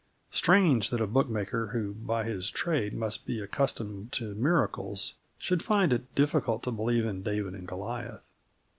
Strange that a bookmaker, who by his trade must be accustomed to miracles, should find it difficult to believe in David and Goliath.